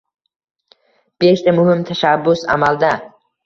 Beshta muhim tashabbus - amalda